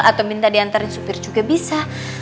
atau minta diantarin supir juga bisa